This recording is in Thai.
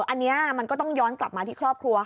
อันนี้มันก็ต้องย้อนกลับมาที่ครอบครัวค่ะ